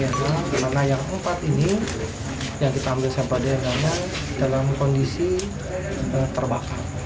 karena yang empat ini yang kita ambil sampel dna nya dalam kondisi terbakar